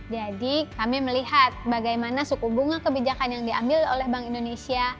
jadi kami melihat bagaimana suku bunga kebijakan yang diambil oleh bank indonesia